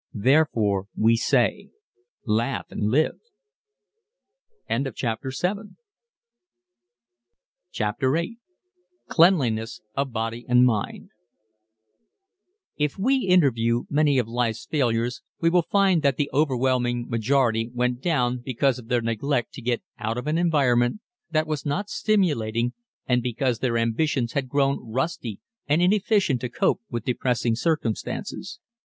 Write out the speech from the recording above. Therefore we say laugh and live! [Illustration: A Scene from "His Picture in the Papers"] CHAPTER VIII CLEANLINESS OF BODY AND MIND If we interview many of life's failures we will find that the overwhelming majority went down because of their neglect to get out of an environment that was not stimulating and because their ambitions had grown rusty and inefficient to cope with depressing circumstances.